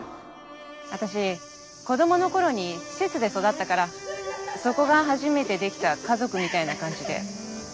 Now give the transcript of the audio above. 私子供の頃に施設で育ったからそこが初めて出来た家族みたいな感じでうれしかった。